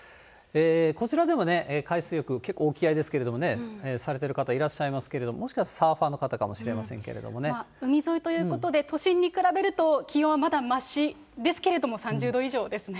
こちらでも海水浴、結構沖合ですけれどもね、されている方いらっしゃいますけれども、もしかするとサーファー海沿いということで、都心に比べると気温はまだましですけれども、３０度以上ですね。